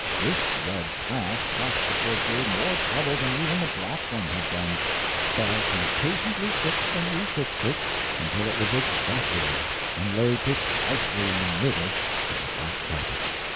This red path cost the PORTIER more trouble than even the black one had done. But he patiently fixed and refixed it until it was exactly right and lay precisely in the middle of the black carpet.